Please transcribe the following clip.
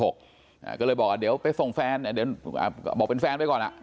ก็เลยบอกเดี๋ยวไปส่งแฟนบอกเป็นแฟนไปก่อน